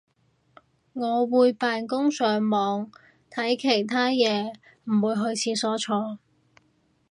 我會扮工上網睇其他嘢唔會去廁所坐